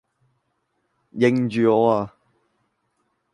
認住我呀!